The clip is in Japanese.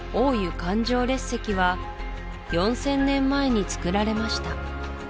環状列石は４０００年前につくられました